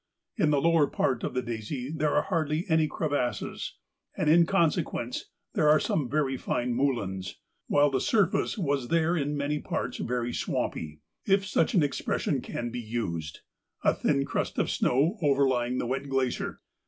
In the lower part of the Daisy there are hardly any crevasses, and in consequence there are some very fine moulins, while the surface was there in many parts very swampy, if such an expression can be used, a thin crust of snow overlying the wet glacier.